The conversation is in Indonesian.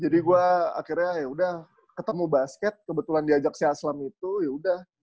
jadi gue akhirnya yaudah ketemu basket kebetulan diajak si aslam itu yaudah